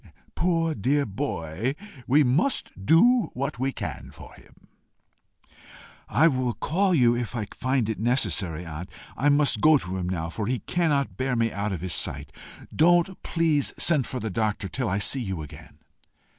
Poor dear boy! we must do what we can for him." "I will call you if I find it necessary, aunt. I must go to him now, for he cannot bear me out of his sight. Don't please send for the doctor till I see you again."